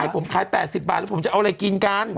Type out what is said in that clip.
ผมขาย๘๐บาทแล้วผมจะเอาอะไรกินกัน